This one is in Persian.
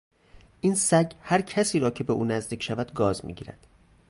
این سگ هر کس را که به او نزدیک شود گاز میگیرد.